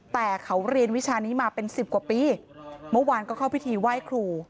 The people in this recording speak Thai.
แต่เขาเรียนวิชานี้มาเป็นสิบกว่าปีเมื่อวานก็เข้าพิธีไหว้ครู